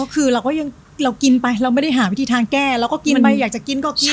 คือเราก็ยังเรากินไปเราไม่ได้หาวิธีทางแก้เราก็กินไปอยากจะกินก็กิน